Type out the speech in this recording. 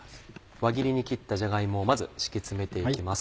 輪切りに切ったじゃが芋をまず敷き詰めていきます。